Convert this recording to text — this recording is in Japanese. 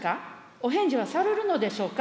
お返事はされるのでしょうか。